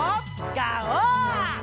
ガオー！